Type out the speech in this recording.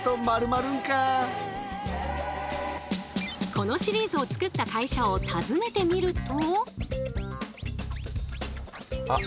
このシリーズを作った会社を訪ねてみると。